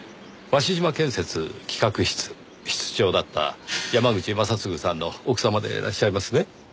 鷲島建設企画室室長だった山口正嗣さんの奥様でいらっしゃいますね？